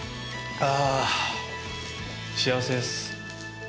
ああ、幸せです。